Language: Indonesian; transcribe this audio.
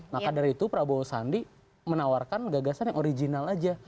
maka dari itu prabowo sandi menawarkan gagasan yang original aja